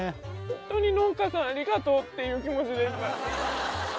ホントに農家さんありがとうっていう気持ちです